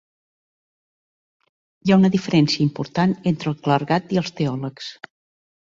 Hi ha una diferència important entre el clergat i els teòlegs.